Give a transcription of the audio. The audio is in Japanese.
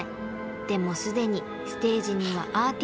［でもすでにステージにはアーティストの姿が］